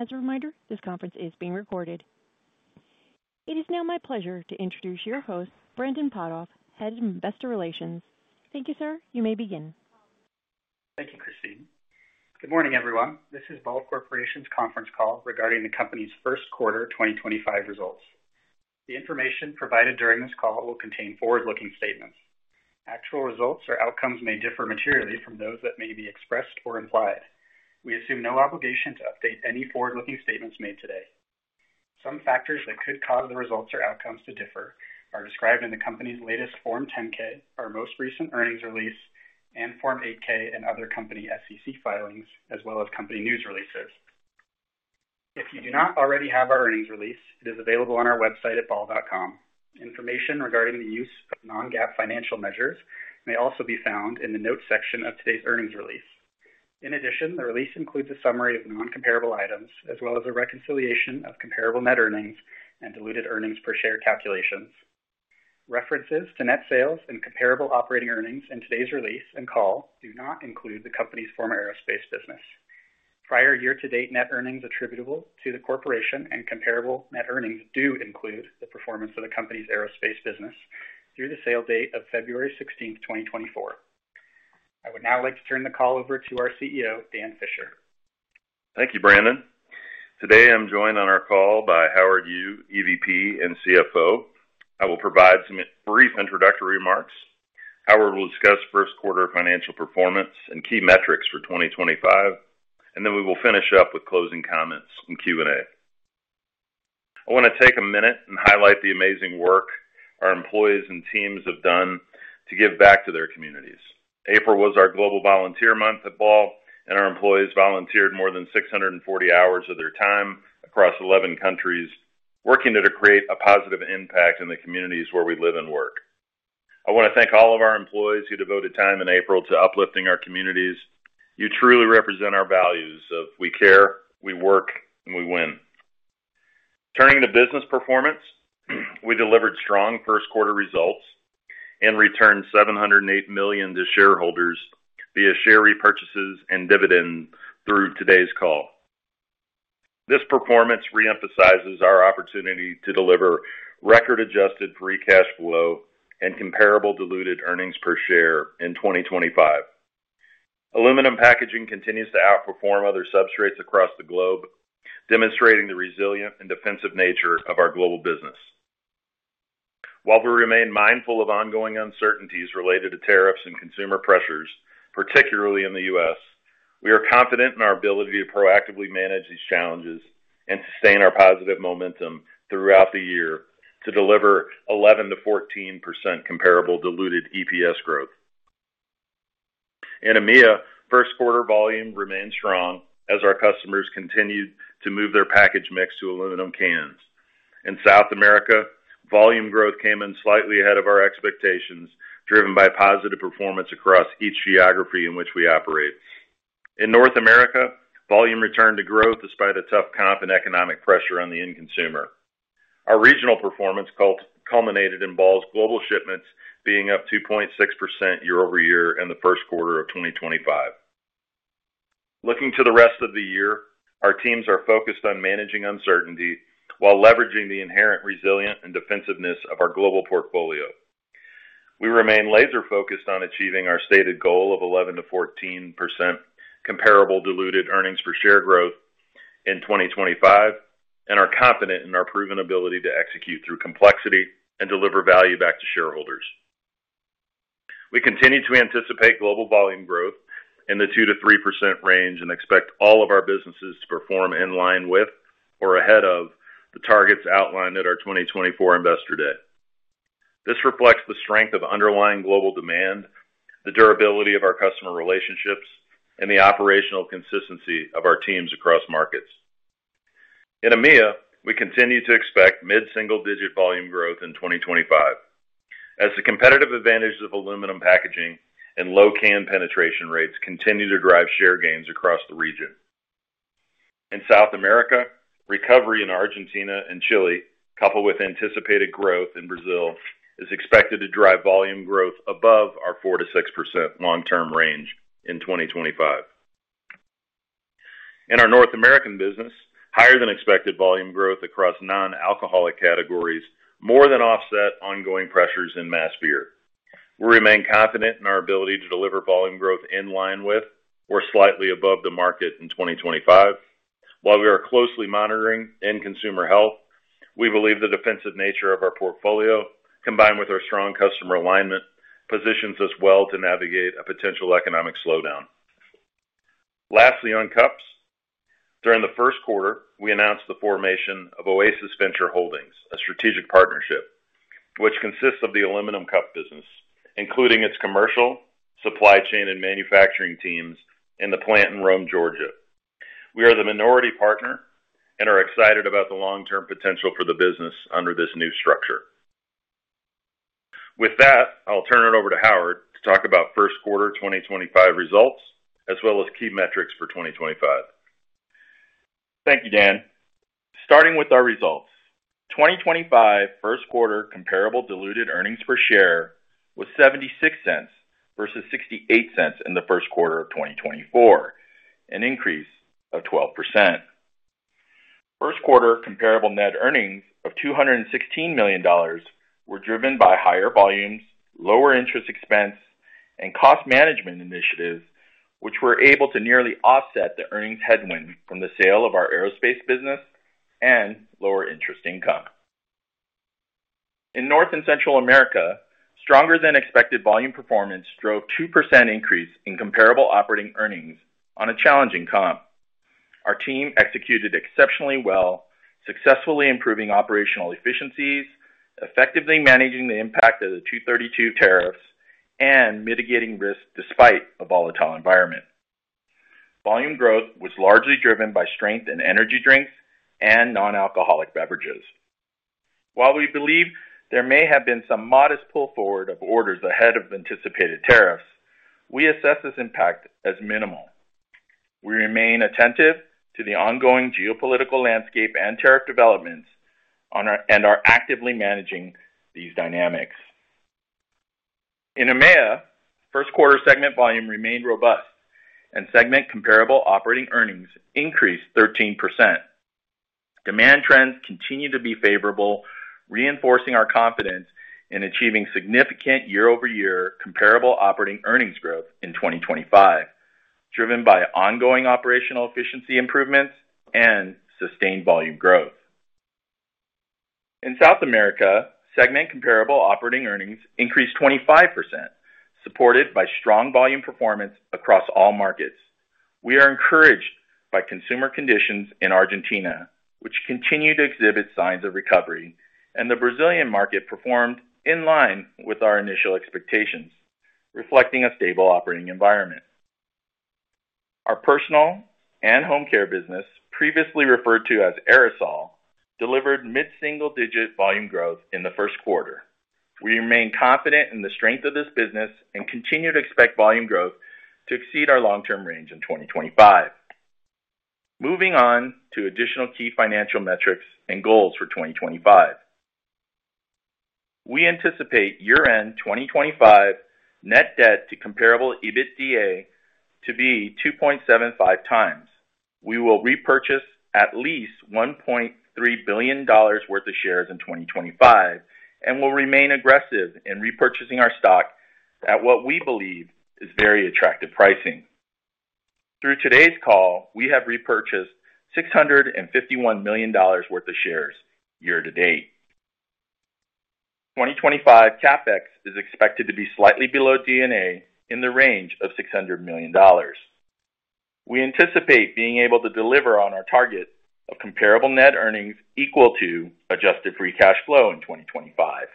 As a reminder, this conference is being recorded. It is now my pleasure to introduce your host, Brandon Potthoff, Head of Investor Relations. Thank you, sir. You may begin. Thank you, Christine. Good morning, everyone. This is Ball Corporation's conference call regarding the company's first quarter 2025 results. The information provided during this call will contain forward-looking statements. Actual results or outcomes may differ materially from those that may be expressed or implied. We assume no obligation to update any forward-looking statements made today. Some factors that could cause the results or outcomes to differ are described in the company's latest Form 10-K, our most recent earnings release, and Form 8-K and other company SEC filings, as well as company news releases. If you do not already have our earnings release, it is available on our website at ball.com. Information regarding the use of non-GAAP financial measures may also be found in the notes section of today's earnings release. In addition, the release includes a summary of non-comparable items, as well as a reconciliation of comparable net earnings and diluted earnings per share calculations. References to net sales and comparable operating earnings in today's release and call do not include the company's former aerospace business. Prior year-to-date net earnings attributable to the corporation and comparable net earnings do include the performance of the company's aerospace business through the sale date of February 16th, 2024. I would now like to turn the call over to our CEO, Dan Fisher. Thank you, Brandon. Today, I'm joined on our call by Howard Yu, EVP and CFO. I will provide some brief introductory remarks. Howard will discuss first quarter financial performance and key metrics for 2025, and then we will finish up with closing comments and Q&A. I want to take a minute and highlight the amazing work our employees and teams have done to give back to their communities. April was our Global Volunteer Month at Ball, and our employees volunteered more than 640 hours of their time across 11 countries, working to create a positive impact in the communities where we live and work. I want to thank all of our employees who devoted time in April to uplifting our communities. You truly represent our values of we care, we work, and we win. Turning to business performance, we delivered strong first quarter results and returned $708 million to shareholders via share repurchases and dividends through today's call. This performance reemphasizes our opportunity to deliver record-adjusted free cash flow and comparable diluted earnings per share in 2025. Aluminum packaging continues to outperform other substrates across the globe, demonstrating the resilient and defensive nature of our global business. While we remain mindful of ongoing uncertainties related to tariffs and consumer pressures, particularly in the U.S., we are confident in our ability to proactively manage these challenges and sustain our positive momentum throughout the year to deliver 11%-14% comparable diluted EPS growth. In EMEA, first quarter volume remained strong as our customers continued to move their package mix to aluminum cans. In South America, volume growth came in slightly ahead of our expectations, driven by positive performance across each geography in which we operate. In North America, volume returned to growth despite a tough comp and economic pressure on the end consumer. Our regional performance culminated in Ball's global shipments being up 2.6% year-over-year in the first quarter of 2025. Looking to the rest of the year, our teams are focused on managing uncertainty while leveraging the inherent resilience and defensiveness of our global portfolio. We remain laser-focused on achieving our stated goal of 11%-14% comparable diluted earnings per share growth in 2025 and are confident in our proven ability to execute through complexity and deliver value back to shareholders. We continue to anticipate global volume growth in the 2%-3% range and expect all of our businesses to perform in line with or ahead of the targets outlined at our 2024 Investor Day. This reflects the strength of underlying global demand, the durability of our customer relationships, and the operational consistency of our teams across markets. In EMEA, we continue to expect mid-single-digit volume growth in 2025, as the competitive advantage of aluminum packaging and low can penetration rates continue to drive share gains across the region. In South America, recovery in Argentina and Chile, coupled with anticipated growth in Brazil, is expected to drive volume growth above our 4%-6% long-term range in 2025. In our North American business, higher-than-expected volume growth across non-alcoholic categories more than offsets ongoing pressures in mass beer. We remain confident in our ability to deliver volume growth in line with or slightly above the market in 2025. While we are closely monitoring end consumer health, we believe the defensive nature of our portfolio, combined with our strong customer alignment, positions us well to navigate a potential economic slowdown. Lastly, on cups, during the first quarter, we announced the formation of Oasis Venture Holdings, a strategic partnership which consists of the aluminum cup business, including its commercial, supply chain, and manufacturing teams in the plant in Rome, Georgia. We are the minority partner and are excited about the long-term potential for the business under this new structure. With that, I'll turn it over to Howard to talk about first quarter 2025 results, as well as key metrics for 2025. Thank you, Dan. Starting with our results, 2025 first quarter comparable diluted earnings per share was $0.76 versus $0.68 in the first quarter of 2024, an increase of 12%. First quarter comparable net earnings of $216 million were driven by higher volumes, lower interest expense, and cost management initiatives, which were able to nearly offset the earnings headwind from the sale of our aerospace business and lower interest income. In North and Central America, stronger-than-expected volume performance drove a 2% increase in comparable operating earnings on a challenging comp. Our team executed exceptionally well, successfully improving operational efficiencies, effectively managing the impact of the 232 tariffs, and mitigating risk despite a volatile environment. Volume growth was largely driven by strength in energy drinks and non-alcoholic beverages. While we believe there may have been some modest pull forward of orders ahead of anticipated tariffs, we assess this impact as minimal. We remain attentive to the ongoing geopolitical landscape and tariff developments and are actively managing these dynamics. In EMEA, first quarter segment volume remained robust, and segment comparable operating earnings increased 13%. Demand trends continue to be favorable, reinforcing our confidence in achieving significant year-over-year comparable operating earnings growth in 2025, driven by ongoing operational efficiency improvements and sustained volume growth. In South America, segment comparable operating earnings increased 25%, supported by strong volume performance across all markets. We are encouraged by consumer conditions in Argentina, which continue to exhibit signs of recovery, and the Brazilian market performed in line with our initial expectations, reflecting a stable operating environment. Our personal and home care business, previously referred to as Aerosol, delivered mid-single-digit volume growth in the first quarter. We remain confident in the strength of this business and continue to expect volume growth to exceed our long-term range in 2025. Moving on to additional key financial metrics and goals for 2025, we anticipate year-end 2025 net debt to comparable EBITDA to be 2.75 times. We will repurchase at least $1.3 billion worth of shares in 2025 and will remain aggressive in repurchasing our stock at what we believe is very attractive pricing. Through today's call, we have repurchased $651 million worth of shares year-to-date. 2025 CapEx is expected to be slightly below D&A in the range of $600 million. We anticipate being able to deliver on our target of comparable net earnings equal to adjusted free cash flow in 2025.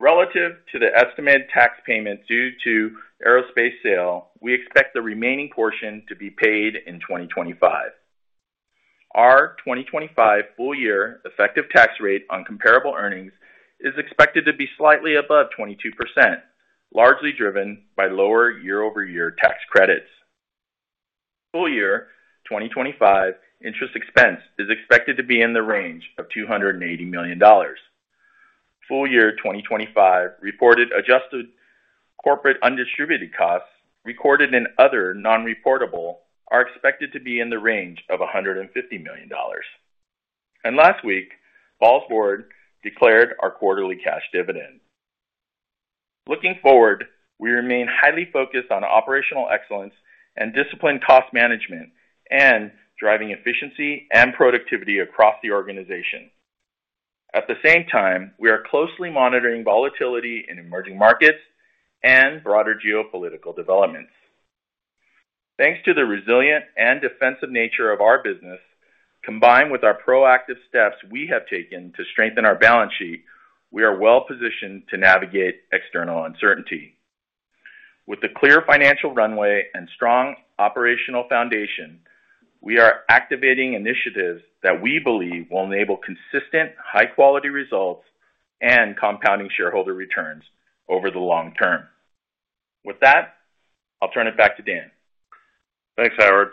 Relative to the estimated tax payment due to aerospace sale, we expect the remaining portion to be paid in 2025. Our 2025 full-year effective tax rate on comparable earnings is expected to be slightly above 22%, largely driven by lower year-over-year tax credits. Full-year 2025 interest expense is expected to be in the range of $280 million. Full-year 2025 reported adjusted corporate undistributed costs, recorded in other non-reportable, are expected to be in the range of $150 million. Last week, Ball's Board declared our quarterly cash dividend. Looking forward, we remain highly focused on operational excellence and disciplined cost management and driving efficiency and productivity across the organization. At the same time, we are closely monitoring volatility in emerging markets and broader geopolitical developments. Thanks to the resilient and defensive nature of our business, combined with our proactive steps we have taken to strengthen our balance sheet, we are well-positioned to navigate external uncertainty. With a clear financial runway and strong operational foundation, we are activating initiatives that we believe will enable consistent, high-quality results and compounding shareholder returns over the long term. With that, I'll turn it back to Dan. Thanks, Howard.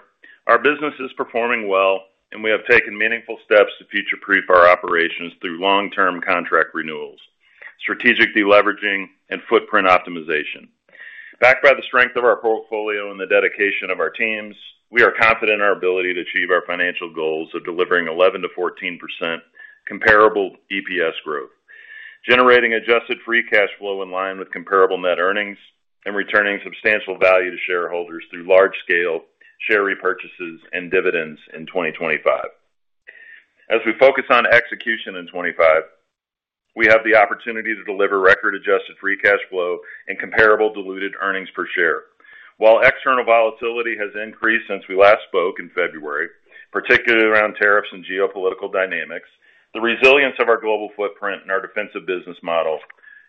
Our business is performing well, and we have taken meaningful steps to future-proof our operations through long-term contract renewals, strategic deleveraging, and footprint optimization. Backed by the strength of our portfolio and the dedication of our teams, we are confident in our ability to achieve our financial goals of delivering 11%-14% comparable EPS growth, generating adjusted free cash flow in line with comparable net earnings, and returning substantial value to shareholders through large-scale share repurchases and dividends in 2025. As we focus on execution in 2025, we have the opportunity to deliver record adjusted free cash flow and comparable diluted earnings per share. While external volatility has increased since we last spoke in February, particularly around tariffs and geopolitical dynamics, the resilience of our global footprint and our defensive business model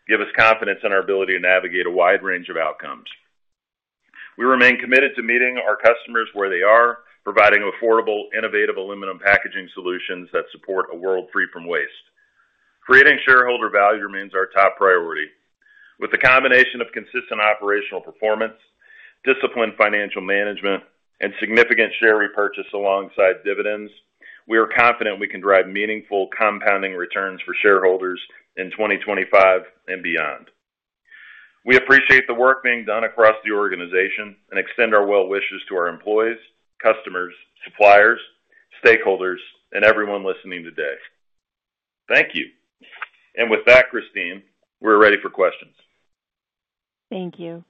give us confidence in our ability to navigate a wide range of outcomes. We remain committed to meeting our customers where they are, providing affordable, innovative aluminum packaging solutions that support a world free from waste. Creating shareholder value remains our top priority. With the combination of consistent operational performance, disciplined financial management, and significant share repurchase alongside dividends, we are confident we can drive meaningful compounding returns for shareholders in 2025 and beyond. We appreciate the work being done across the organization and extend our well wishes to our employees, customers, suppliers, stakeholders, and everyone listening today. Thank you. Christine, we are ready for questions. Thank you.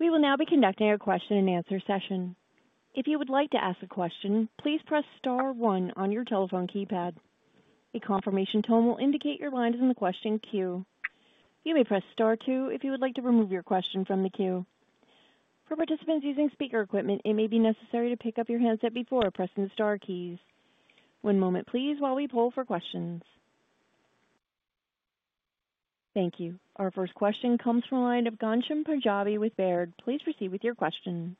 We will now be conducting a question-and-answer session. If you would like to ask a question, please press star one on your telephone keypad. A confirmation tone will indicate your line is in the question queue. You may press star two if you would like to remove your question from the queue. For participants using speaker equipment, it may be necessary to pick up your handset before pressing the star keys. One moment, please, while we pull for questions. Thank you. Our first question comes from a line of Ghansham Panjabi with Baird. Please proceed with your question.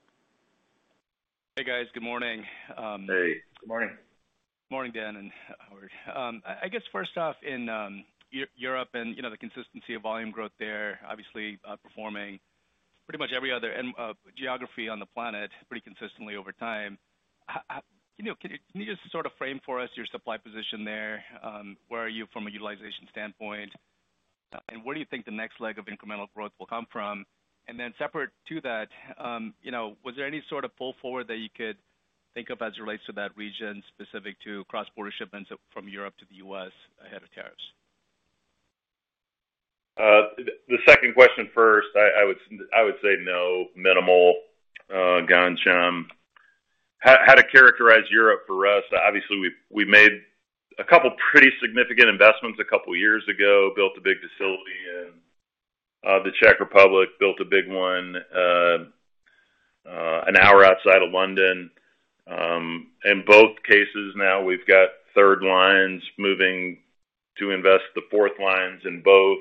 Hey, guys. Good morning. Hey. Good morning. Morning, Dan and Howard. I guess, first off, in Europe and the consistency of volume growth there, obviously performing pretty much every other geography on the planet pretty consistently over time. Can you just sort of frame for us your supply position there? Where are you from a utilization standpoint? Where do you think the next leg of incremental growth will come from? Separate to that, was there any sort of pull forward that you could think of as it relates to that region, specific to cross-border shipments from Europe to the U.S. ahead of tariffs? The second question first, I would say no, minimal, Ghansham. How to characterize Europe for us? Obviously, we made a couple pretty significant investments a couple years ago, built a big facility in the Czech Republic, built a big one an hour outside of London. In both cases now, we've got third lines moving to invest the fourth lines in both.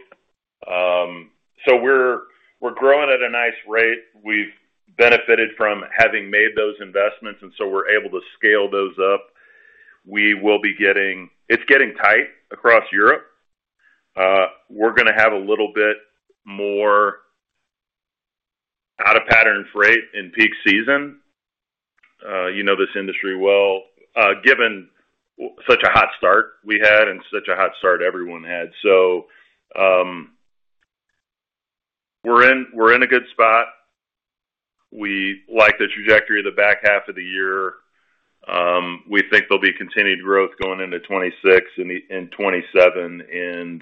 We are growing at a nice rate. We have benefited from having made those investments, and we are able to scale those up. It is getting tight across Europe. We are going to have a little bit more out-of-pattern freight in peak season. You know this industry well. Given such a hot start we had and such a hot start everyone had. We are in a good spot. We like the trajectory of the back half of the year. We think there will be continued growth going into 2026 and 2027.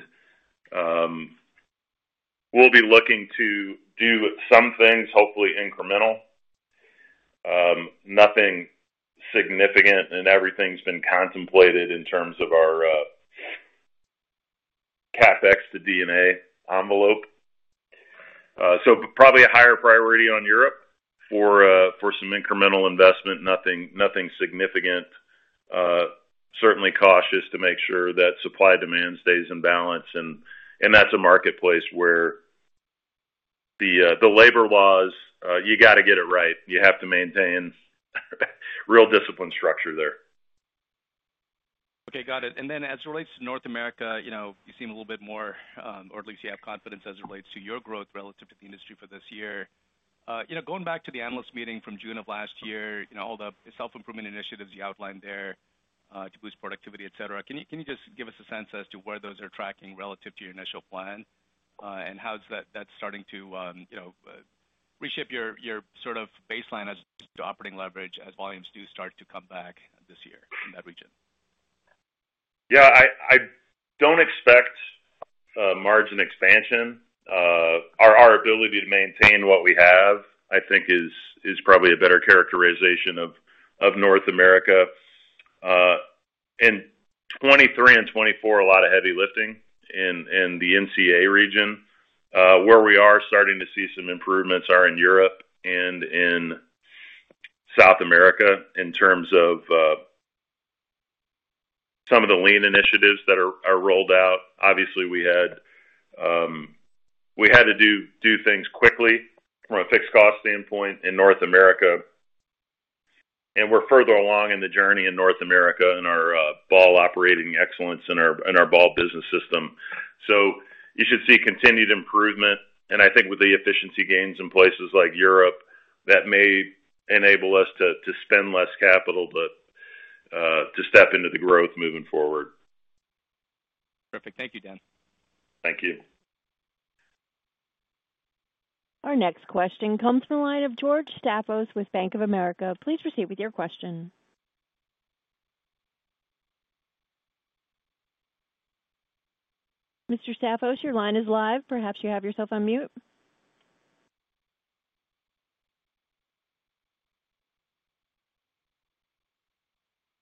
We will be looking to do some things, hopefully incremental, nothing significant, and everything's been contemplated in terms of our CapEx to D&A envelope. Probably a higher priority on Europe for some incremental investment, nothing significant. Certainly cautious to make sure that supply/demand stays in balance. That is a marketplace where the labor laws, you got to get it right. You have to maintain real discipline structure there. Okay. Got it. As it relates to North America, you seem a little bit more, or at least you have confidence as it relates to your growth relative to the industry for this year. Going back to the analyst meeting from June of last year, all the self-improvement initiatives you outlined there to boost productivity, etc., can you just give us a sense as to where those are tracking relative to your initial plan? How's that starting to reshape your sort of baseline as to operating leverage as volumes do start to come back this year in that region? Yeah. I do not expect margin expansion. Our ability to maintain what we have, I think, is probably a better characterization of North America. In 2023 and 2024, a lot of heavy lifting in the NCA region. Where we are starting to see some improvements are in Europe and in South America in terms of some of the lean initiatives that are rolled out. Obviously, we had to do things quickly from a fixed cost standpoint in North America. We are further along in the journey in North America in our Ball Operating Excellence and our Ball Business System. You should see continued improvement. I think with the efficiency gains in places like Europe, that may enable us to spend less capital to step into the growth moving forward. Perfect. Thank you, Dan. Thank you. Our next question comes from a line of George Staphos with Bank of America. Please proceed with your question. Mr. Staphos, your line is live. Perhaps you have yourself on mute.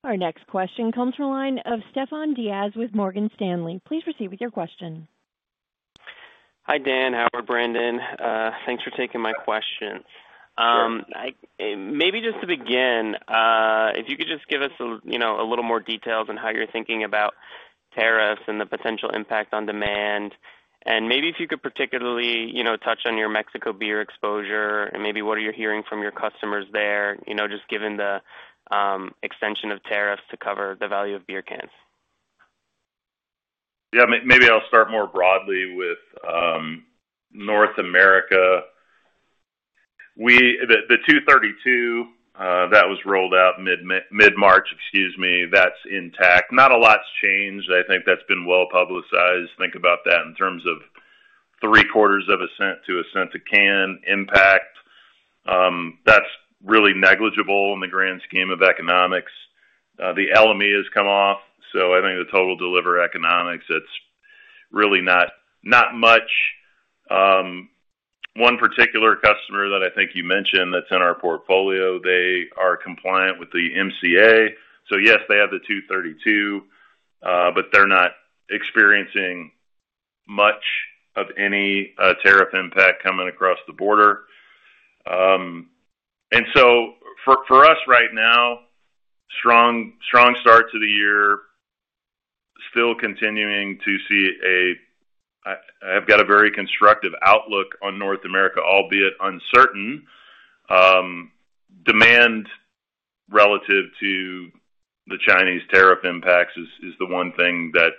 Our next question comes from a line of Stefan Diaz with Morgan Stanley. Please proceed with your question. Hi, Dan, Howard, Brandon. Thanks for taking my question. Maybe just to begin, if you could just give us a little more details on how you're thinking about tariffs and the potential impact on demand. Maybe if you could particularly touch on your Mexico beer exposure and maybe what are you hearing from your customers there, just given the extension of tariffs to cover the value of beer cans. Yeah. Maybe I'll start more broadly with North America. The 232 that was rolled out mid-March, excuse me, that's intact. Not a lot's changed. I think that's been well publicized. Think about that in terms of three-quarters of a cent to a cent a can impact. That's really negligible in the grand scheme of economics. The LME has come off. I think the total delivery economics, it's really not much. One particular customer that I think you mentioned that's in our portfolio, they are compliant with the USMCA. Yes, they have the 232, but they're not experiencing much of any tariff impact coming across the border. For us right now, strong start to the year, still continuing to see a—I have got a very constructive outlook on North America, albeit uncertain. Demand relative to the Chinese tariff impacts is the one thing that's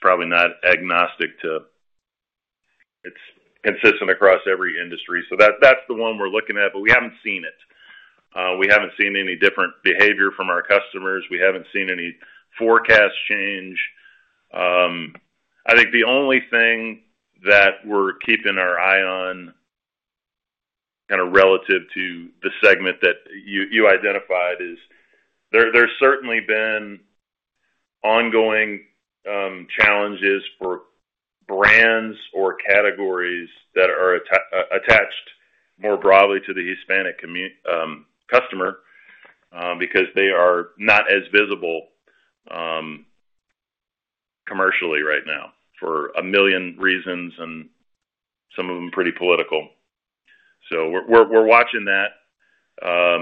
probably not agnostic to—it's consistent across every industry. That is the one we're looking at, but we haven't seen it. We haven't seen any different behavior from our customers. We haven't seen any forecast change. I think the only thing that we're keeping our eye on kind of relative to the segment that you identified is there's certainly been ongoing challenges for brands or categories that are attached more broadly to the Hispanic customer because they are not as visible commercially right now for a million reasons, and some of them pretty political. We are watching that.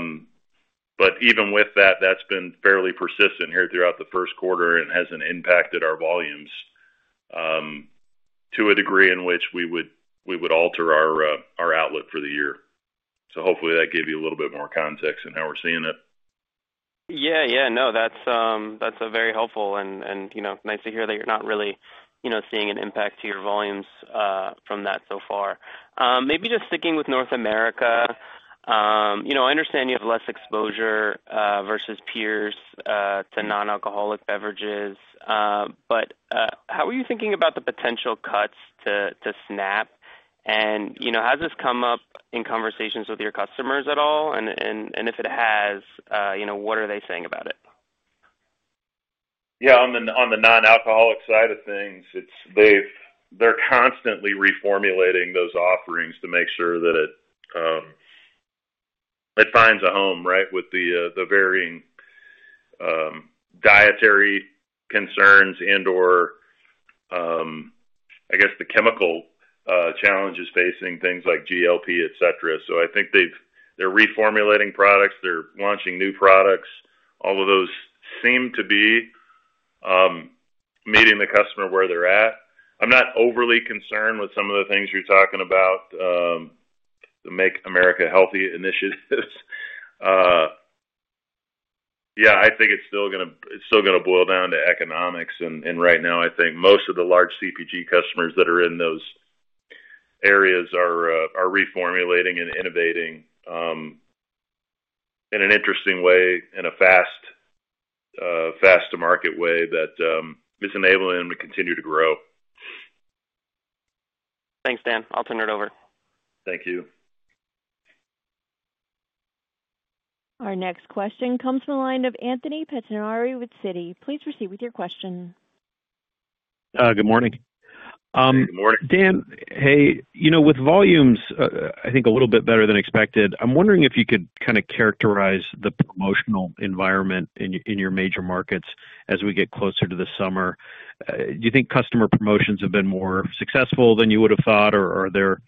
Even with that, that's been fairly persistent here throughout the first quarter and hasn't impacted our volumes to a degree in which we would alter our outlook for the year. Hopefully, that gave you a little bit more context on how we're seeing it. Yeah, yeah. No, that's very helpful and nice to hear that you're not really seeing an impact to your volumes from that so far. Maybe just sticking with North America, I understand you have less exposure versus peers to non-alcoholic beverages. How are you thinking about the potential cuts to SNAP? Has this come up in conversations with your customers at all? If it has, what are they saying about it? Yeah. On the non-alcoholic side of things, they're constantly reformulating those offerings to make sure that it finds a home, right, with the varying dietary concerns and/or, I guess, the chemical challenges facing things like GLP, etc. I think they're reformulating products. They're launching new products. All of those seem to be meeting the customer where they're at. I'm not overly concerned with some of the things you're talking about, the Make America Healthy Again initiatives. I think it's still going to boil down to economics. Right now, I think most of the large CPG customers that are in those areas are reformulating and innovating in an interesting way, in a fast-to-market way that is enabling them to continue to grow. Thanks, Dan. I'll turn it over. Thank you. Our next question comes from a line of Anthony Pettinari with Citi. Please proceed with your question. Good morning. Good morning. Dan, hey, with volumes, I think a little bit better than expected. I'm wondering if you could kind of characterize the promotional environment in your major markets as we get closer to the summer. Do you think customer promotions have been more successful than you would have thought? Do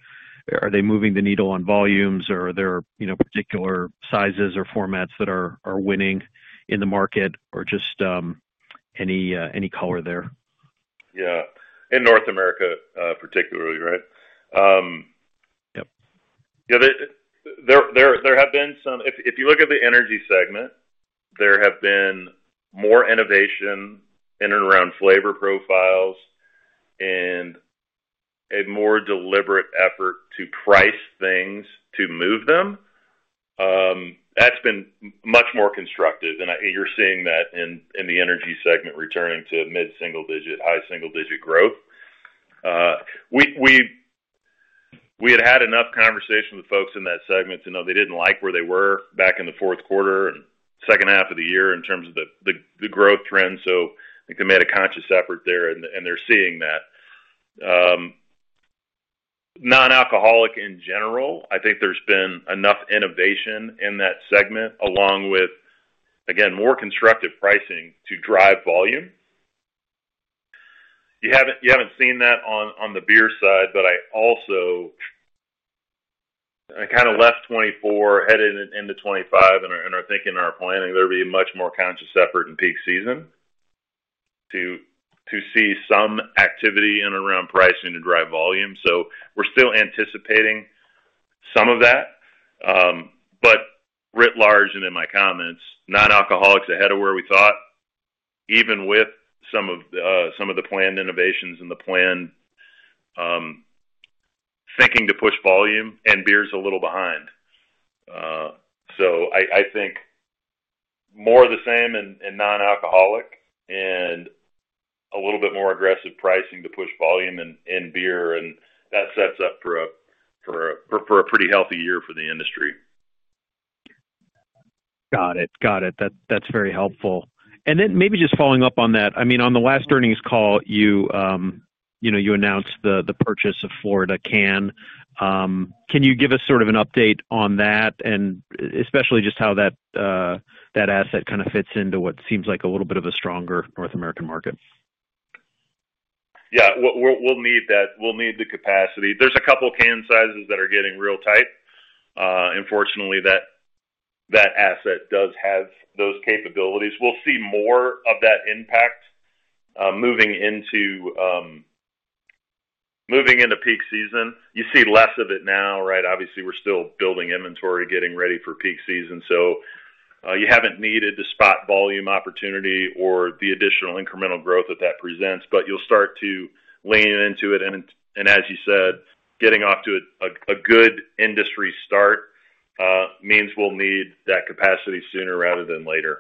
they move the needle on volumes? Are there particular sizes or formats that are winning in the market? Any color there? Yeah. In North America, particularly, right? Yep. Yeah. There have been some—if you look at the energy segment, there have been more innovation in and around flavor profiles and a more deliberate effort to price things to move them. That has been much more constructive. You are seeing that in the energy segment returning to mid-single-digit, high single-digit growth. We had had enough conversation with folks in that segment to know they did not like where they were back in the fourth quarter and second half of the year in terms of the growth trend. I think they made a conscious effort there, and they are seeing that. Non-alcoholic in general, I think there has been enough innovation in that segment along with, again, more constructive pricing to drive volume. You haven't seen that on the beer side, but I kind of left 2024, headed into 2025, and are thinking our planning there would be a much more conscious effort in peak season to see some activity in and around pricing to drive volume. We are still anticipating some of that. Writ large and in my comments, non-alcoholics ahead of where we thought, even with some of the planned innovations and the planned thinking to push volume, and beer's a little behind. I think more of the same in non-alcoholic and a little bit more aggressive pricing to push volume in beer. That sets up for a pretty healthy year for the industry. Got it. Got it. That's very helpful. I mean, on the last earnings call, you announced the purchase of Florida Can. Can you give us sort of an update on that, and especially just how that asset kind of fits into what seems like a little bit of a stronger North American market? Yeah. We'll need the capacity. There's a couple of can sizes that are getting real tight. Fortunately, that asset does have those capabilities. We'll see more of that impact moving into peak season. You see less of it now, right? Obviously, we're still building inventory, getting ready for peak season. You haven't needed to spot volume opportunity or the additional incremental growth that that presents. You'll start to lean into it. As you said, getting off to a good industry start means we'll need that capacity sooner rather than later.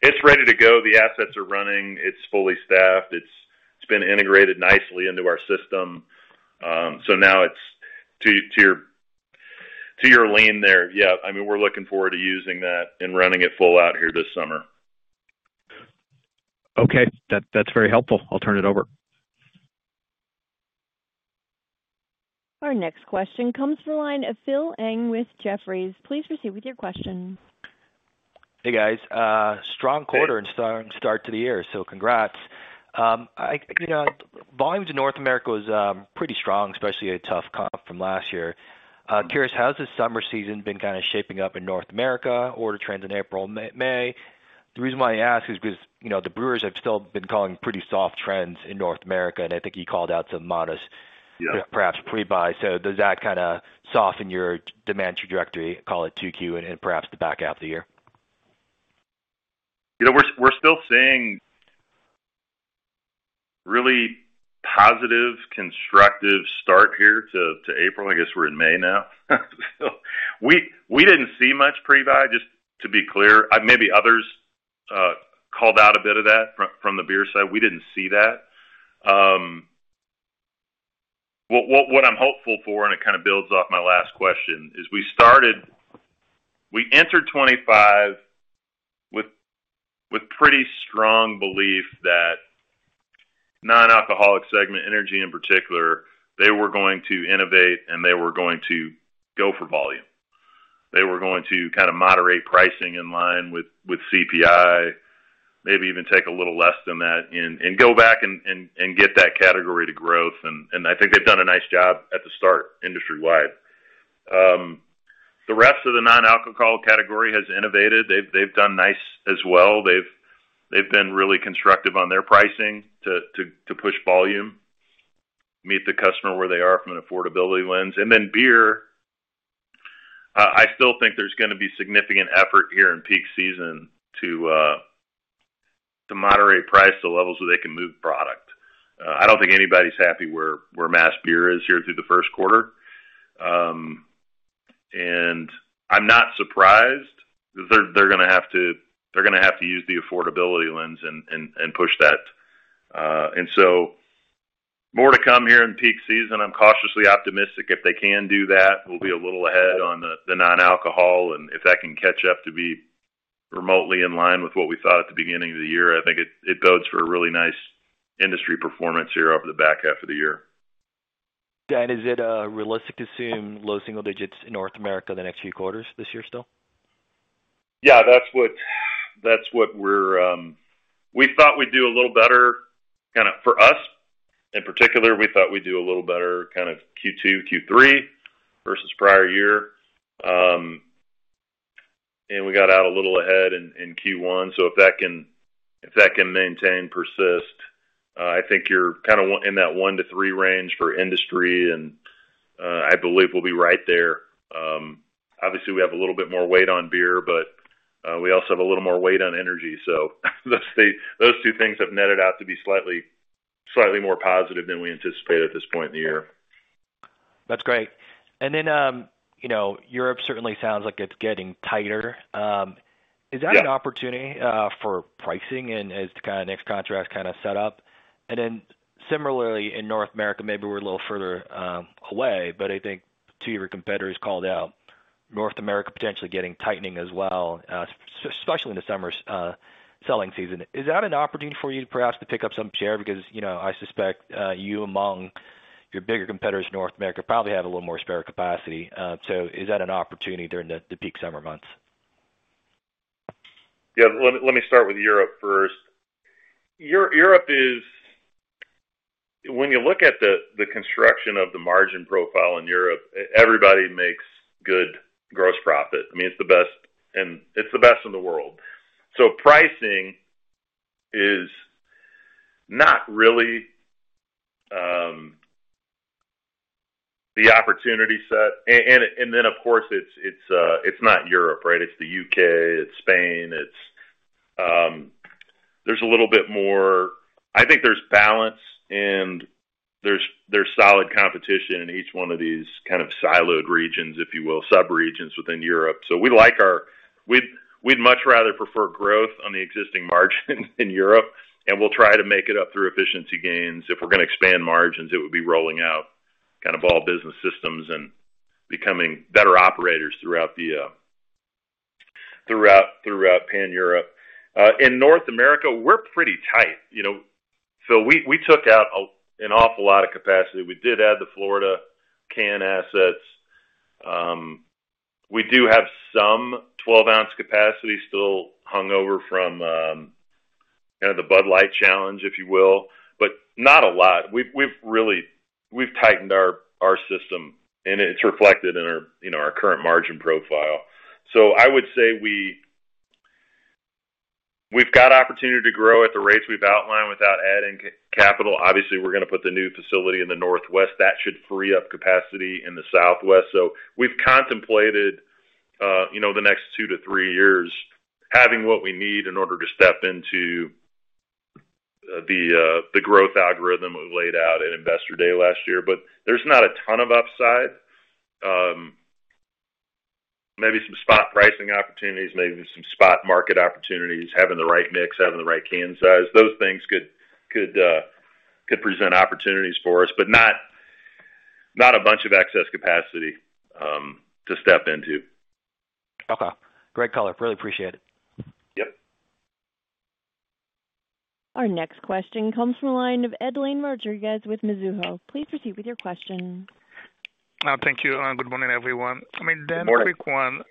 It's ready to go. The assets are running. It's fully staffed. It's been integrated nicely into our system. Now it's to your lean there. Yeah. I mean, we're looking forward to using that and running it full out here this summer. Okay. That's very helpful. I'll turn it over. Our next question comes from a line of Phil Ng with Jefferies. Please proceed with your question. Hey, guys. Strong quarter and start to the year. Congrats. Volumes in North America was pretty strong, especially a tough comp from last year. Curious, how's the summer season been kind of shaping up in North America? Order trends in April, May? The reason why I ask is because the brewers have still been calling pretty soft trends in North America. I think you called out some modest, perhaps, pre-buys. Does that kind of soften your demand trajectory, call it 2Q, and perhaps the back half of the year? We're still seeing really positive, constructive start here to April. I guess we're in May now. We didn't see much pre-buy, just to be clear. Maybe others called out a bit of that from the beer side. We didn't see that. What I'm hopeful for, and it kind of builds off my last question, is we entered 2025 with pretty strong belief that the non-alcoholic segment, energy in particular, they were going to innovate and they were going to go for volume. They were going to kind of moderate pricing in line with CPI, maybe even take a little less than that, and go back and get that category to growth. I think they've done a nice job at the start industry-wide. The rest of the non-alcoholic category has innovated. They've done nice as well. They've been really constructive on their pricing to push volume, meet the customer where they are from an affordability lens. Beer, I still think there's going to be significant effort here in peak season to moderate price to levels where they can move product. I don't think anybody's happy where mass beer is here through the first quarter. I'm not surprised that they're going to have to use the affordability lens and push that. More to come here in peak season. I'm cautiously optimistic if they can do that, we'll be a little ahead on the non-alcohol. If that can catch up to be remotely in line with what we thought at the beginning of the year, I think it bodes for a really nice industry performance here over the back half of the year. Dan, is it realistic to assume low single digits in North America the next few quarters this year still? Yeah. That's what we thought we'd do a little better kind of for us. In particular, we thought we'd do a little better kind of Q2, Q3 versus prior year. We got out a little ahead in Q1. If that can maintain, persist, I think you're kind of in that one to three range for industry. I believe we'll be right there. Obviously, we have a little bit more weight on beer, but we also have a little more weight on energy. Those two things have netted out to be slightly more positive than we anticipate at this point in the year. That's great. Europe certainly sounds like it's getting tighter. Is that an opportunity for pricing as kind of next contracts kind of set up? Similarly, in North America, maybe we're a little further away, but I think two of your competitors called out North America potentially getting tightening as well, especially in the summer's selling season. Is that an opportunity for you to perhaps pick up some share? Because I suspect you among your bigger competitors in North America probably have a little more spare capacity. Is that an opportunity during the peak summer months? Yeah. Let me start with Europe first. When you look at the construction of the margin profile in Europe, everybody makes good gross profit. I mean, it's the best in the world. Pricing is not really the opportunity set. Of course, it's not Europe, right? It's the U.K. It's Spain. There's a little bit more, I think there's balance and there's solid competition in each one of these kind of siloed regions, if you will, sub-regions within Europe. We'd much rather prefer growth on the existing margin in Europe. We'll try to make it up through efficiency gains. If we're going to expand margins, it would be rolling out kind of all business systems and becoming better operators throughout Pan-Europe. In North America, we're pretty tight. We took out an awful lot of capacity. We did add the Florida Can assets. We do have some 12-oz capacity still hungover from kind of the Bud Light challenge, if you will, but not a lot. We've tightened our system, and it's reflected in our current margin profile. I would say we've got opportunity to grow at the rates we've outlined without adding capital. Obviously, we're going to put the new facility in the northwest. That should free up capacity in the southwest. We have contemplated the next 2-3 years having what we need in order to step into the growth algorithm we laid out at Investor Day last year. There is not a ton of upside. Maybe some spot pricing opportunities, maybe some spot market opportunities, having the right mix, having the right can size. Those things could present opportunities for us, but not a bunch of excess capacity to step into. Okay. Great color. Really appreciate it. Yep. Our next question comes from a line of Edlain Rodriguez with Mizuho. Please proceed with your question. Thank you. Good morning, everyone. I mean, Dan, quick one.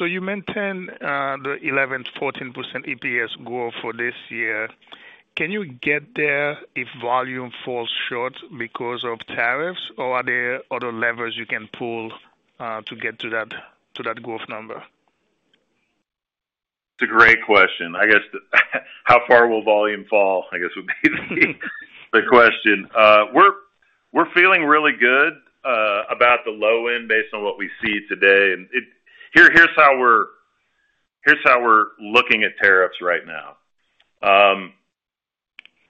You mentioned the 11%-14% EPS growth for this year. Can you get there if volume falls short because of tariffs? Or are there other levers you can pull to get to that growth number? It's a great question. I guess how far will volume fall, I guess, would be the question. We're feeling really good about the low end based on what we see today. Here's how we're looking at tariffs right now.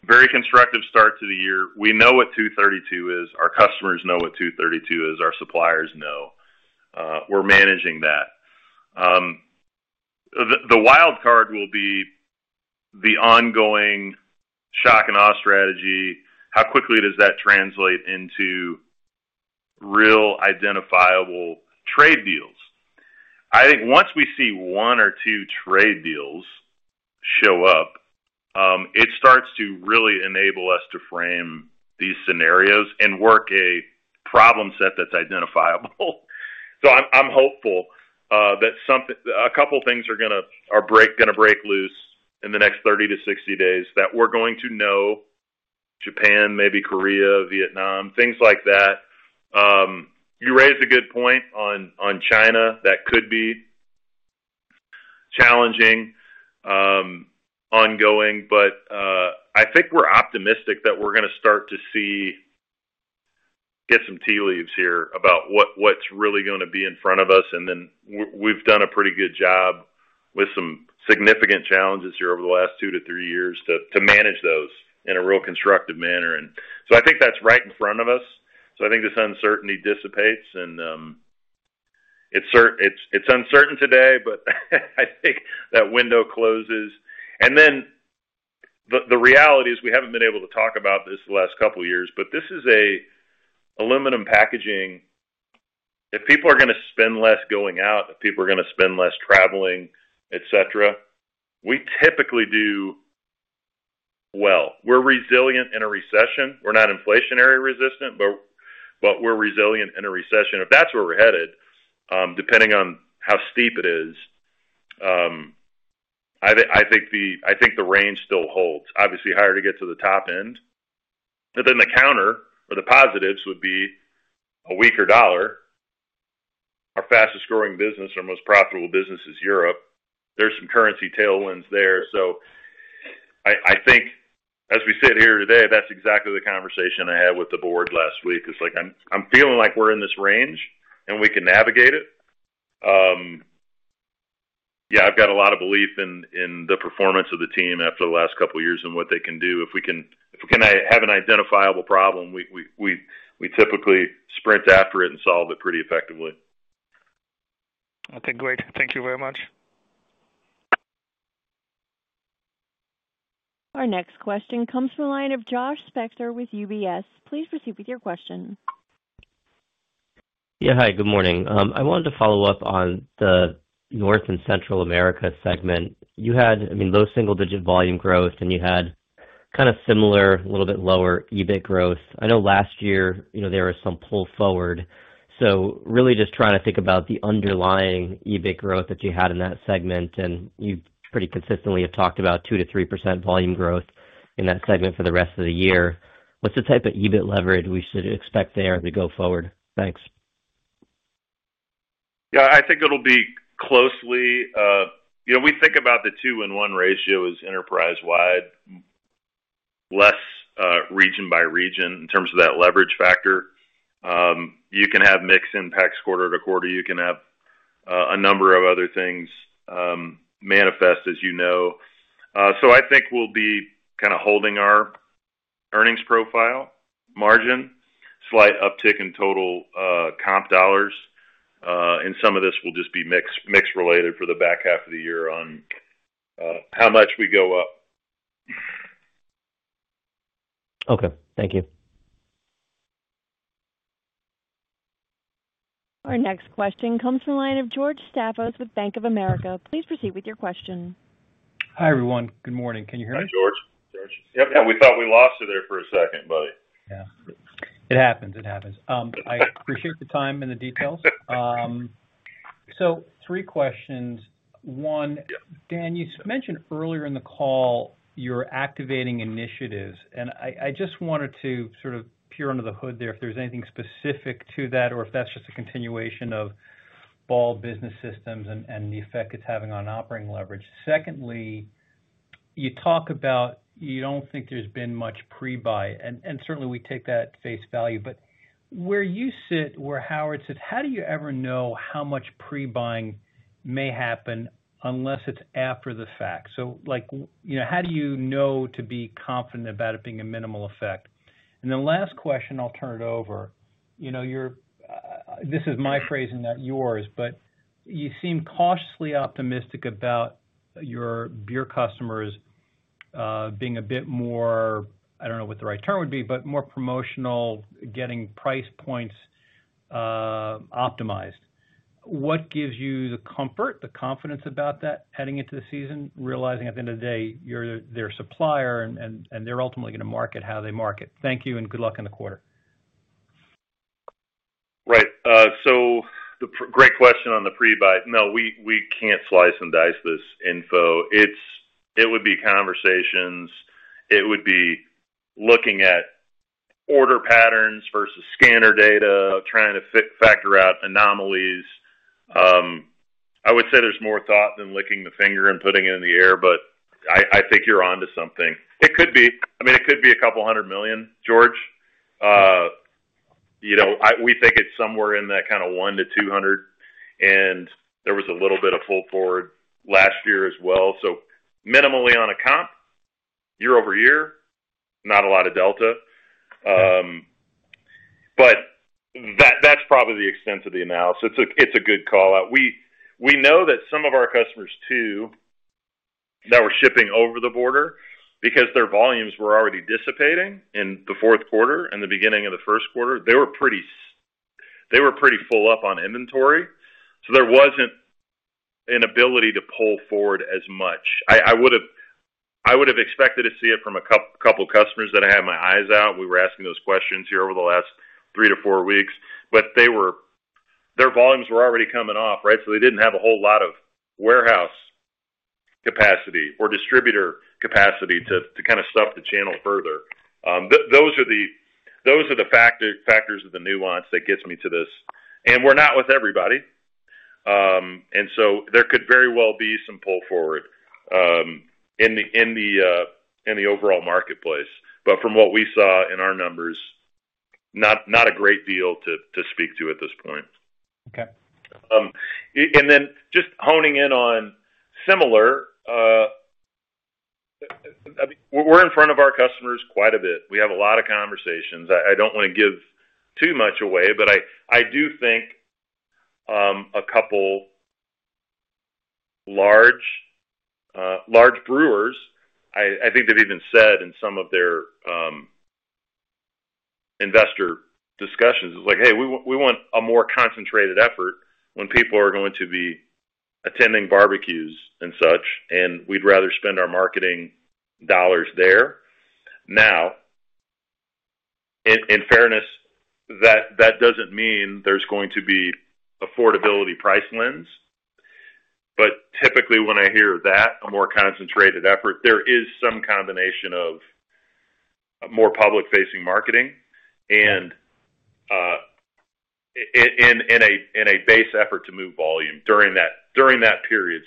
Very constructive start to the year. We know what 232 is. Our customers know what 232 is. Our suppliers know. We're managing that. The wild card will be the ongoing shock and awe strategy. How quickly does that translate into real identifiable trade deals? I think once we see one or two trade deals show up, it starts to really enable us to frame these scenarios and work a problem set that's identifiable. I'm hopeful that a couple of things are going to break loose in the next 30-60 days that we're going to know Japan, maybe Korea, Vietnam, things like that. You raised a good point on China. That could be challenging, ongoing. I think we're optimistic that we're going to start to see get some tea leaves here about what's really going to be in front of us. We have done a pretty good job with some significant challenges here over the last two to three years to manage those in a real constructive manner. I think that's right in front of us. I think this uncertainty dissipates. It's uncertain today, but I think that window closes. The reality is we haven't been able to talk about this the last couple of years, but this is an aluminum packaging. If people are going to spend less going out, if people are going to spend less traveling, etc., we typically do well. We're resilient in a recession. We're not inflationary resistant, but we're resilient in a recession. If that's where we're headed, depending on how steep it is, I think the range still holds. Obviously, higher to get to the top end. The counter or the positives would be a weaker dollar. Our fastest-growing business, our most profitable business is Europe. There's some currency tailwinds there. I think as we sit here today, that's exactly the conversation I had with the board last week. It's like I'm feeling like we're in this range and we can navigate it. Yeah. I've got a lot of belief in the performance of the team after the last couple of years and what they can do. If we can have an identifiable problem, we typically sprint after it and solve it pretty effectively. Okay. Great. Thank you very much. Our next question comes from a line of Josh Spector with UBS. Please proceed with your question. Yeah. Hi. Good morning. I wanted to follow up on the North and Central America segment. You had, I mean, low single-digit volume growth, and you had kind of similar, a little bit lower EBIT growth. I know last year there was some pull forward. Really just trying to think about the underlying EBIT growth that you had in that segment. You pretty consistently have talked about 2%-3% volume growth in that segment for the rest of the year. What's the type of EBIT leverage we should expect there as we go forward? Thanks. Yeah. I think it'll be closely. We think about the two-in-one ratio as enterprise-wide, less region by region in terms of that leverage factor. You can have mixed impacts quarter-to-quarter. You can have a number of other things manifest, you know. I think we'll be kind of holding our earnings profile margin, slight uptick in total comp dollars. Some of this will just be mixed related for the back half of the year on how much we go up. Okay. Thank you. Our next question comes from a line of George Staphos with Bank of America. Please proceed with your question. Hi, everyone. Good morning. Can you hear me? Hi, George. Yep. We thought we lost you there for a second, buddy. Yeah. It happens. It happens. I appreciate the time and the details. Three questions. One, Dan, you mentioned earlier in the call you're activating initiatives. I just wanted to sort of peer under the hood there if there's anything specific to that or if that's just a continuation of Ball Business System and the effect it's having on operating leverage. Secondly, you talk about you don't think there's been much pre-buy. Certainly, we take that at face value. Where you sit, where Howard sits, how do you ever know how much pre-buying may happen unless it's after the fact? How do you know to be confident about it being a minimal effect? Last question, I'll turn it over. This is my phrasing not yours, but you seem cautiously optimistic about your beer customers being a bit more—I do not know what the right term would be—but more promotional, getting price points optimized. What gives you the comfort, the confidence about that heading into the season, realizing at the end of the day they are a supplier and they are ultimately going to market how they market? Thank you and good luck in the quarter. Right. Great question on the pre-buy. No, we can't slice and dice this info. It would be conversations. It would be looking at order patterns versus scanner data, trying to factor out anomalies. I would say there's more thought than licking the finger and putting it in the air, but I think you're on to something. It could be. I mean, it could be a couple hundred million, George. We think it's somewhere in that kind of $100 million-$200 million. There was a little bit of pull forward last year as well. Minimally on a comp year-over-year, not a lot of delta. That's probably the extent of the analysis. It's a good call out. We know that some of our customers too that were shipping over the border because their volumes were already dissipating in the fourth quarter and the beginning of the first quarter, they were pretty full up on inventory. There was not an ability to pull forward as much. I would have expected to see it from a couple of customers that I had my eyes out. We were asking those questions here over the last three to four weeks. Their volumes were already coming off, right? They did not have a whole lot of warehouse capacity or distributor capacity to kind of stuff the channel further. Those are the factors of the nuance that gets me to this. We are not with everybody. There could very well be some pull forward in the overall marketplace. From what we saw in our numbers, not a great deal to speak to at this point. Just honing in on similar, we're in front of our customers quite a bit. We have a lot of conversations. I don't want to give too much away, but I do think a couple large brewers, I think they've even said in some of their investor discussions, it's like, "Hey, we want a more concentrated effort when people are going to be attending barbecues and such, and we'd rather spend our marketing dollars there." In fairness, that doesn't mean there's going to be affordability price lens. Typically, when I hear that, a more concentrated effort, there is some combination of more public-facing marketing and a base effort to move volume during that period.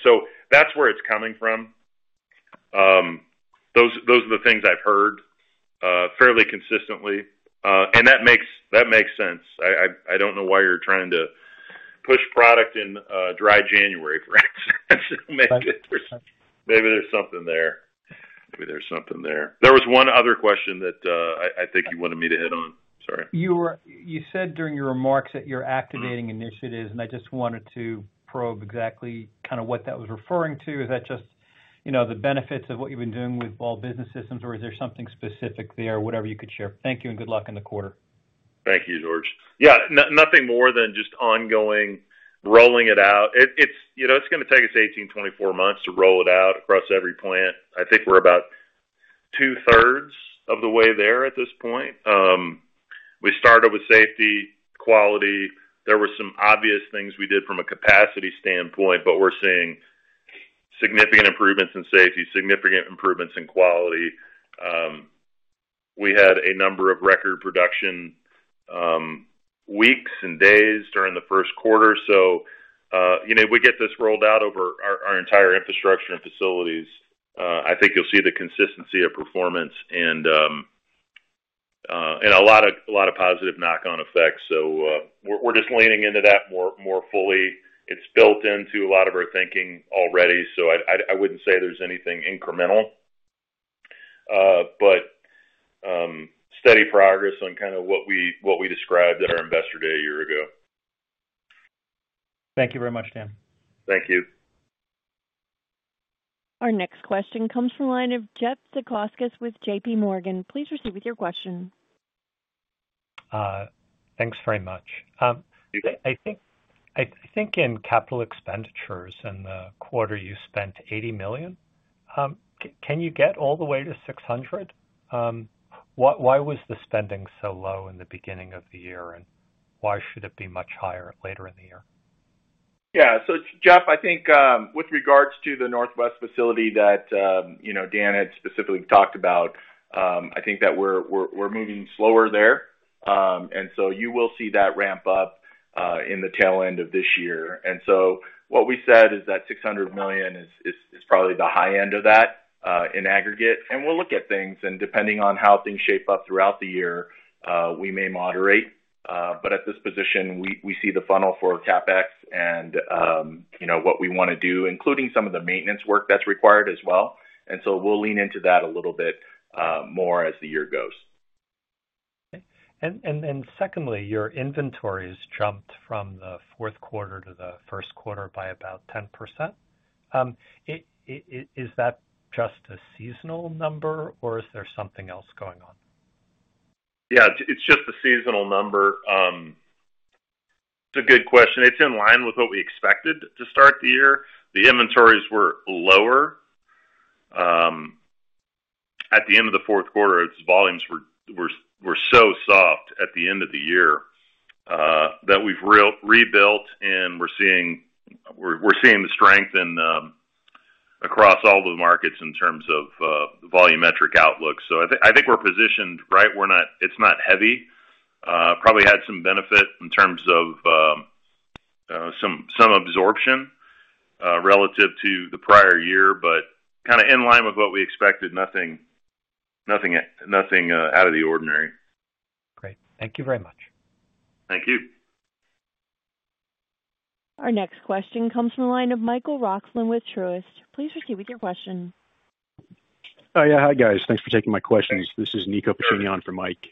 That's where it's coming from. Those are the things I've heard fairly consistently. That makes sense. I do not know why you are trying to push product in dry January, for instance. Maybe there is something there. Maybe there is something there. There was one other question that I think you wanted me to hit on. Sorry. You said during your remarks that you're activating initiatives, and I just wanted to probe exactly kind of what that was referring to. Is that just the benefits of what you've been doing with Ball Business System, or is there something specific there, whatever you could share? Thank you and good luck in the quarter. Thank you, George. Yeah. Nothing more than just ongoing rolling it out. It's going to take us 18-24 months to roll it out across every plant. I think we're about 2/3 of the way there at this point. We started with safety, quality. There were some obvious things we did from a capacity standpoint, but we're seeing significant improvements in safety, significant improvements in quality. We had a number of record production weeks and days during the first quarter. We get this rolled out over our entire infrastructure and facilities. I think you'll see the consistency of performance and a lot of positive knock-on effects. We're just leaning into that more fully. It's built into a lot of our thinking already. I wouldn't say there's anything incremental, but steady progress on kind of what we described at our investor day a year ago. Thank you very much, Dan. Thank you. Our next question comes from a line of Jeff Zekauskas with JPMorgan. Please proceed with your question. Thanks very much. I think in capital expenditures in the quarter, you spent $80 million. Can you get all the way to $600 million? Why was the spending so low in the beginning of the year, and why should it be much higher later in the year? Yeah. Jeff, I think with regards to the Northwest facility that Dan had specifically talked about, I think that we're moving slower there. You will see that ramp up in the tail end of this year. What we said is that $600 million is probably the high end of that in aggregate. We'll look at things, and depending on how things shape up throughout the year, we may moderate. At this position, we see the funnel for CapEx and what we want to do, including some of the maintenance work that's required as well. We'll lean into that a little bit more as the year goes. Okay. Secondly, your inventories jumped from the fourth quarter to the first quarter by about 10%. Is that just a seasonal number, or is there something else going on? Yeah. It's just a seasonal number. It's a good question. It's in line with what we expected to start the year. The inventories were lower at the end of the fourth quarter. Volumes were so soft at the end of the year that we've rebuilt, and we're seeing the strength across all the markets in terms of volumetric outlook. I think we're positioned right. It's not heavy. Probably had some benefit in terms of some absorption relative to the prior year, but kind of in line with what we expected. Nothing out of the ordinary. Great. Thank you very much. Thank you. Our next question comes from a line of Michael Roxland with Truist. Please proceed with your question. Oh, yeah. Hi, guys. Thanks for taking my questions. This is Nico Pacini on for Mike.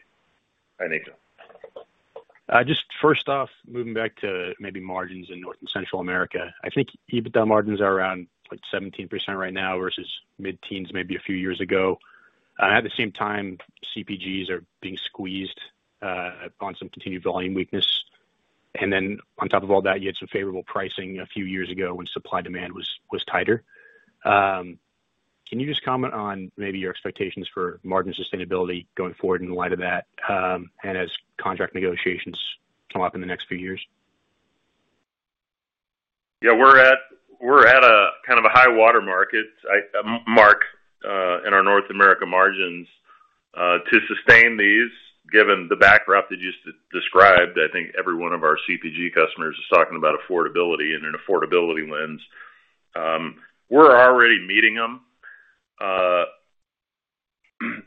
Hi, Nico. Just first off, moving back to maybe margins in North and Central America, I think EBITDA margins are around 17% right now versus mid-teens, maybe a few years ago. At the same time, CPGs are being squeezed upon some continued volume weakness. Then on top of all that, you had some favorable pricing a few years ago when supply demand was tighter. Can you just comment on maybe your expectations for margin sustainability going forward in light of that and as contract negotiations come up in the next few years? Yeah. We're at a kind of a high-water mark in our North America margins. To sustain these, given the backdrop that you just described, I think every one of our CPG customers is talking about affordability and an affordability lens. We're already meeting them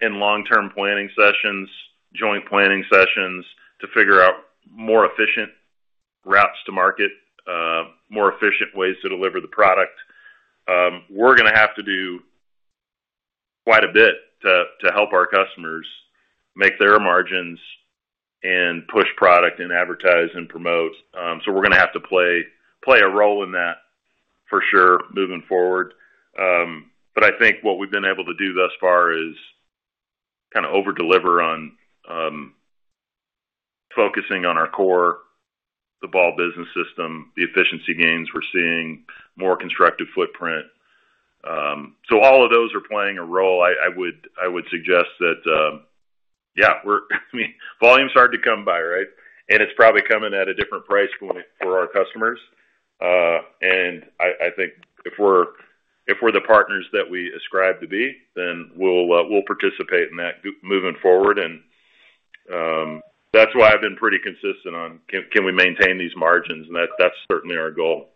in long-term planning sessions, joint planning sessions to figure out more efficient routes to market, more efficient ways to deliver the product. We're going to have to do quite a bit to help our customers make their margins and push product and advertise and promote. We are going to have to play a role in that for sure moving forward. I think what we've been able to do thus far is kind of overdeliver on focusing on our core, the Ball Business System, the efficiency gains we're seeing, more constructive footprint. All of those are playing a role. I would suggest that, yeah, volume's hard to come by, right? It's probably coming at a different price point for our customers. I think if we're the partners that we ascribe to be, then we'll participate in that moving forward. That's why I've been pretty consistent on, can we maintain these margins? That's certainly our goal.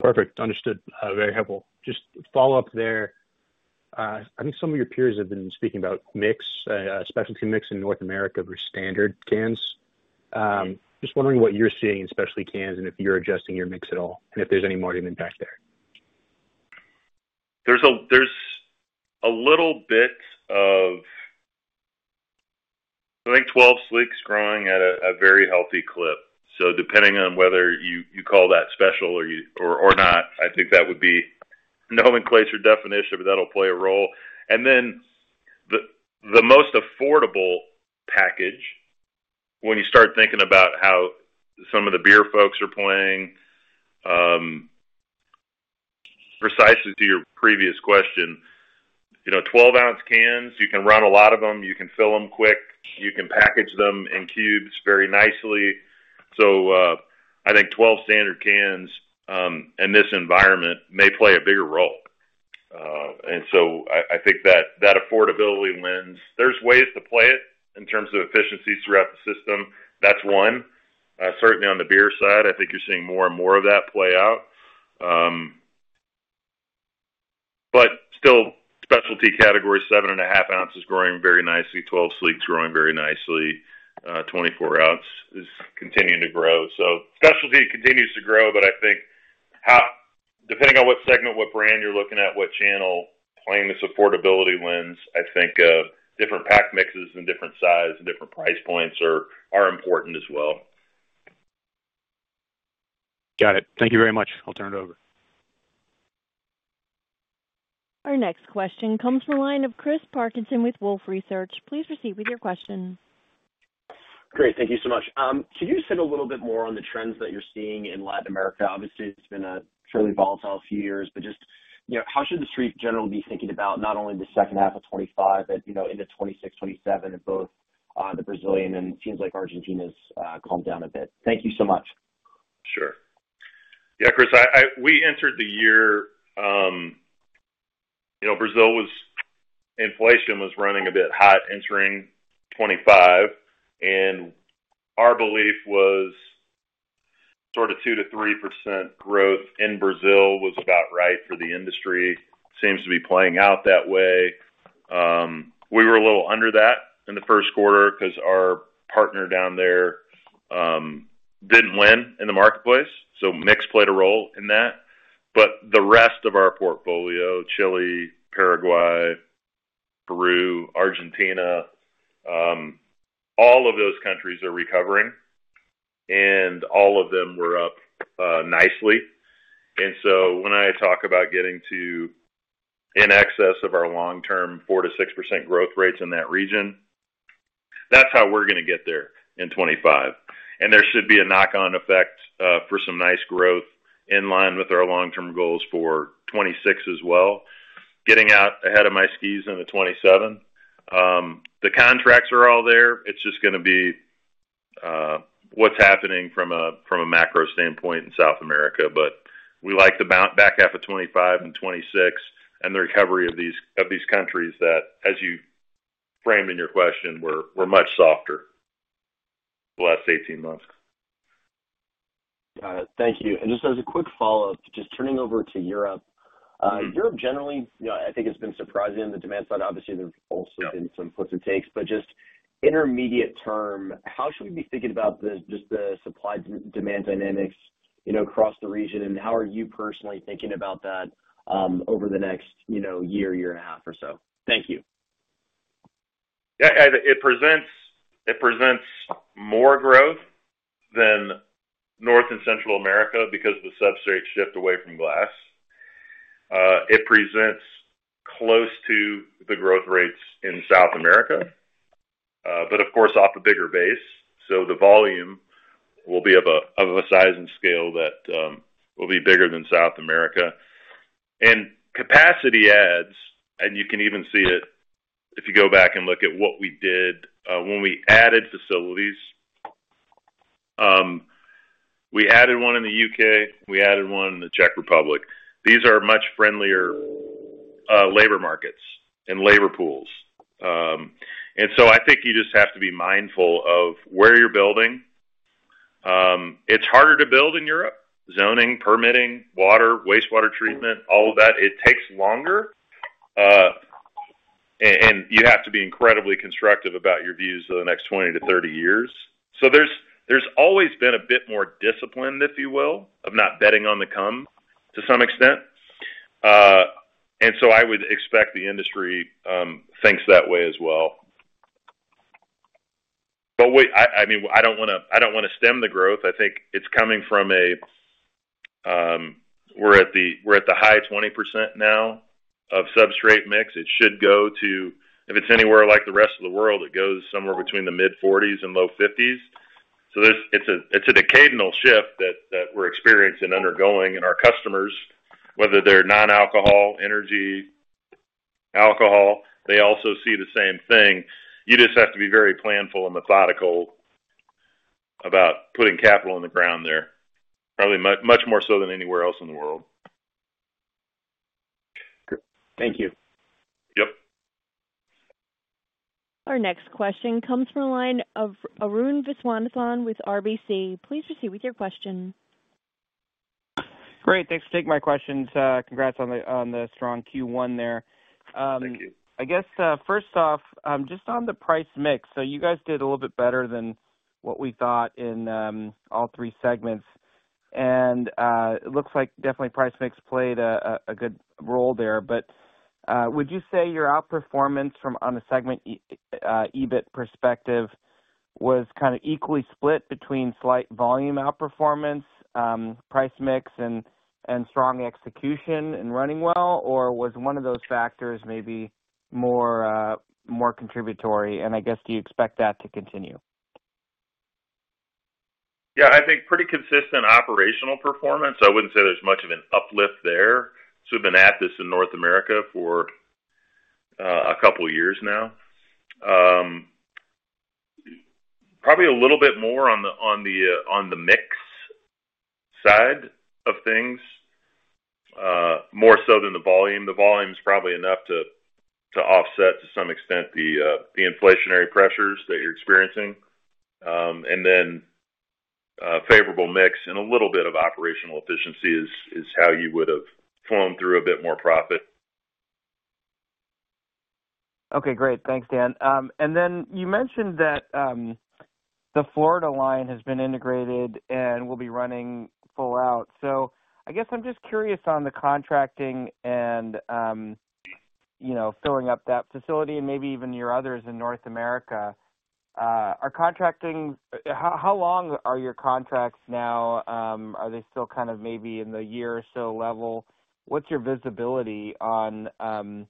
Perfect. Understood. Very helpful. Just follow-up there. I think some of your peers have been speaking about mix, specialty mix in North America for standard cans. Just wondering what you're seeing in specialty cans and if you're adjusting your mix at all and if there's any margin impact there. There's a little bit of, I think, 12 Sleek's growing at a very healthy clip. Depending on whether you call that special or not, I think that would be nomenclature definition, but that'll play a role. The most affordable package, when you start thinking about how some of the beer folks are playing, precisely to your previous question, 12-oz cans, you can run a lot of them. You can fill them quick. You can package them in cubes very nicely. I think 12 standard cans in this environment may play a bigger role. I think that affordability lens, there's ways to play it in terms of efficiencies throughout the system. That's one. Certainly on the beer side, I think you're seeing more and more of that play out. Specialty category, 7.5-oz is growing very nicely, 12 Sleek's growing very nicely, 24-oz is continuing to grow. Specialty continues to grow, but I think depending on what segment, what brand you're looking at, what channel playing this affordability lens, I think different pack mixes and different size and different price points are important as well. Got it. Thank you very much. I'll turn it over. Our next question comes from a line of Chris Parkinson with Wolfe Research. Please proceed with your question. Great. Thank you so much. Could you just hit a little bit more on the trends that you're seeing in Latin America? Obviously, it's been a fairly volatile few years, but just how should the street general be thinking about not only the second half of 2025, but into 2026, 2027, both the Brazilian and it seems like Argentina's calmed down a bit? Thank you so much. Sure. Yeah, Chris, we entered the year Brazil was inflation was running a bit hot entering 2025. Our belief was sort of 2-3% growth in Brazil was about right for the industry. Seems to be playing out that way. We were a little under that in the first quarter because our partner down there didn't win in the marketplace. Mix played a role in that. The rest of our portfolio, Chile, Paraguay, Peru, Argentina, all of those countries are recovering. All of them were up nicely. When I talk about getting to in excess of our long-term 4%-6% growth rates in that region, that's how we're going to get there in 2025. There should be a knock-on effect for some nice growth in line with our long-term goals for 2026 as well. Getting out ahead of my skis in the 2027. The contracts are all there. It is just going to be what is happening from a macro standpoint in South America. We like the back half of 2025 and 2026 and the recovery of these countries that, as you framed in your question, were much softer the last 18 months. Got it. Thank you. Just as a quick follow-up, just turning over to Europe. Europe, generally, I think it's been surprising on the demand side. Obviously, there have also been some puts and takes, but just intermediate term, how should we be thinking about just the supply demand dynamics across the region? How are you personally thinking about that over the next year, year and a half or so? Thank you. It presents more growth than North and Central America because of the substrate shift away from glass. It presents close to the growth rates in South America, but of course, off a bigger base. The volume will be of a size and scale that will be bigger than South America. Capacity adds, and you can even see it if you go back and look at what we did when we added facilities. We added one in the U.K. We added one in the Czech Republic. These are much friendlier labor markets and labor pools. I think you just have to be mindful of where you're building. It's harder to build in Europe. Zoning, permitting, water, wastewater treatment, all of that, it takes longer. You have to be incredibly constructive about your views for the next 20-30 years. There has always been a bit more discipline, if you will, of not betting on the come to some extent. I would expect the industry thinks that way as well. I mean, I do not want to stem the growth. I think it is coming from a we are at the high 20% now of substrate mix. It should go to, if it is anywhere like the rest of the world, it goes somewhere between the mid-40% and low-50%. It is a decadal shift that we are experiencing and undergoing. Our customers, whether they are non-alcohol, energy, alcohol, they also see the same thing. You just have to be very planful and methodical about putting capital in the ground there, probably much more so than anywhere else in the world. Thank you. Yep. Our next question comes from a line of Arun Viswanathan with RBC. Please proceed with your question. Great. Thanks for taking my questions. Congrats on the strong Q1 there. Thank you. I guess first off, just on the price mix, you guys did a little bit better than what we thought in all three segments. It looks like definitely price mix played a good role there. Would you say your outperformance from on a segment EBIT perspective was kind of equally split between slight volume outperformance, price mix, and strong execution and running well, or was one of those factors maybe more contributory? I guess, do you expect that to continue? Yeah. I think pretty consistent operational performance. I would not say there is much of an uplift there. We have been at this in North America for a couple of years now. Probably a little bit more on the mix side of things, more so than the volume. The volume is probably enough to offset to some extent the inflationary pressures that you are experiencing. Favorable mix and a little bit of operational efficiency is how you would have flown through a bit more profit. Okay. Great. Thanks, Dan. You mentioned that the Florida line has been integrated and will be running full out. I guess I'm just curious on the contracting and filling up that facility and maybe even your others in North America. How long are your contracts now? Are they still kind of maybe in the year or so level? What's your visibility on the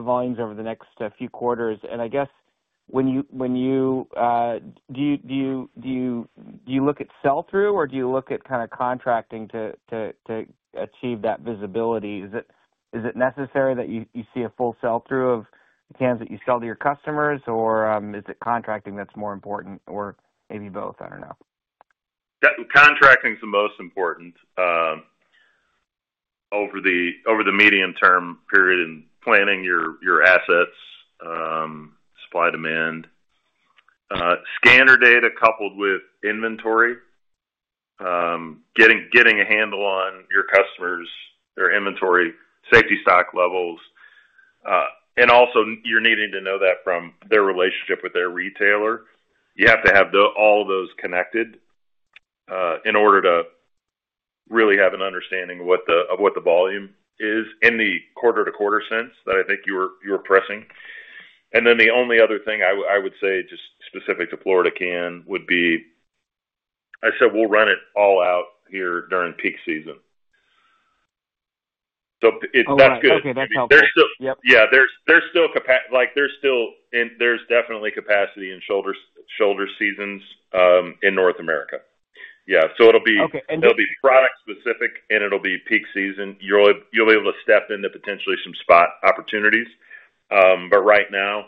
volumes over the next few quarters? I guess when you do you look at sell-through or do you look at kind of contracting to achieve that visibility? Is it necessary that you see a full sell-through of the cans that you sell to your customers, or is it contracting that's more important or maybe both? I don't know. Contracting is the most important over the medium-term period in planning your assets, supply demand, scanner data coupled with inventory, getting a handle on your customers, their inventory, safety stock levels. You are also needing to know that from their relationship with their retailer. You have to have all of those connected in order to really have an understanding of what the volume is in the quarter-to-quarter sense that I think you were pressing. The only other thing I would say just specific to Florida Can would be, I said, we will run it all out here during peak season. That is good. Oh, okay. That's helpful. Yeah. There's still definitely capacity and shoulder seasons in North America. Yeah. It'll be product-specific, and it'll be peak season. You'll be able to step into potentially some spot opportunities. Right now,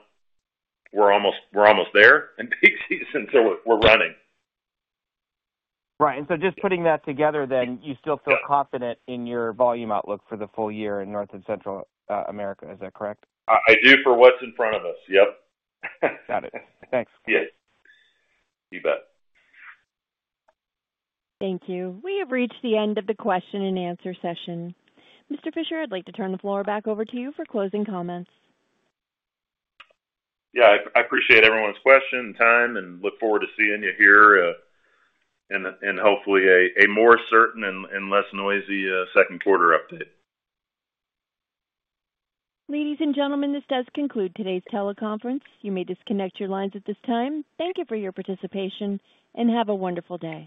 we're almost there in peak season, so we're running. Right. Just putting that together, you still feel confident in your volume outlook for the full year in North and Central America. Is that correct? I do for what's in front of us. Yep. Got it. Thanks. Yes. You bet. Thank you. We have reached the end of the question and answer session. Mr. Fisher, I'd like to turn the floor back over to you for closing comments. Yeah. I appreciate everyone's question and time and look forward to seeing you here and hopefully a more certain and less noisy second quarter update. Ladies and gentlemen, this does conclude today's teleconference. You may disconnect your lines at this time. Thank you for your participation and have a wonderful day.